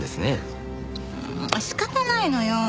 仕方ないのよ。